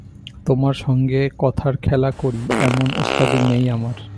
তোমার সঙ্গে কথার খেলা করি এমন ওস্তাদি নেই আমার।